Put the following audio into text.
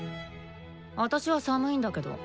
あたしは寒いんだけど。